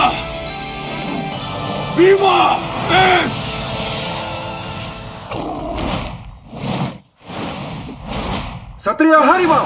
akhirnya monster putih menjadi milikku